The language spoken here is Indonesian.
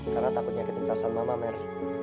karena takut nyakitin perasaan mama mer